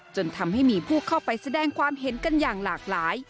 จนทำให้มีผู้เข้าไปแสดงความเห็นกันอย่างหลากหลาย